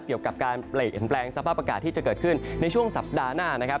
เกี่ยวกับการเปลี่ยนแปลงสภาพอากาศที่จะเกิดขึ้นในช่วงสัปดาห์หน้านะครับ